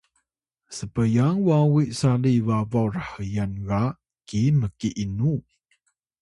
spyang wawi sali babaw rhyan ga ki mki inu?